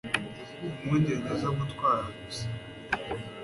impungenge zo gutwarwa gusa